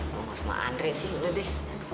ngomong sama andre sih udah deh